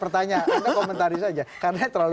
tanya komentari saja